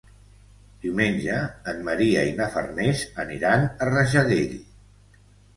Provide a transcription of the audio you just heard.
Diumenge en Maria i na Farners aniran a Rajadell.